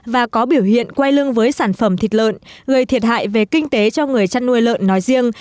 và có biểu hiện quay lưng với sản phẩm thịt lợn gây thiệt hại về kinh tế cho người chăn nuôi lợn nói riêng